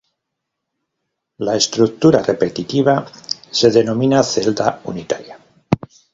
La estructura repetitiva se denomina celda unitaria.